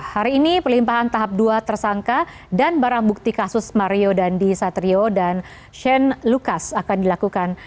hari ini pelimpahan tahap dua tersangka dan barang bukti kasus mario dandi satrio dan shane lucas akan dilakukan